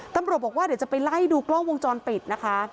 ตำรวจบอกว่าเดี๋ยวจะไปไล่ดูกล้องวงจรปิดนะคะ